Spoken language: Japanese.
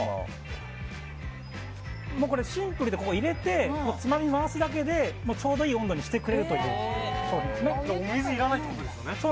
シンプルで、ここに入れてつまみを回すだけでちょうどいい温度にしてくれるお水いらないってことですね。